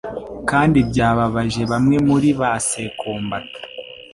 kandi byababaje bamwe muri ba sekombata